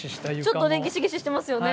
ちょっとねギシギシしてますよね。